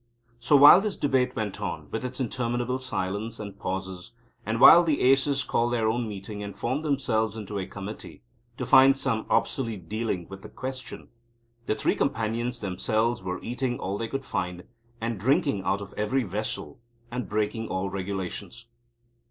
So while this debate went on, with its interminable silence and pauses, and while the Aces called their own meeting, and formed themselves into a Committee, to find some obsolete dealing with the question, the Three Companions themselves were eating all they could find, and drinking out of every vessel, and breaking all regulations.